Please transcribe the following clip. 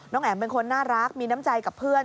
แอ๋มเป็นคนน่ารักมีน้ำใจกับเพื่อน